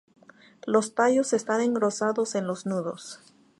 Los tallos están engrosados en los nudos.